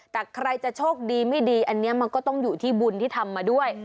แต่ใครจะโชคดีไม่ดีอันนี้มันก็ต้องอยู่ที่บุญที่ทำมาด้วย